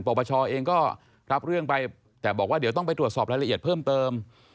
ปปชเองก็รับเรื่องไปแต่บอกว่าเดี๋ยวต้องไปตรวจสอบรายละเอียดเพิ่มเติม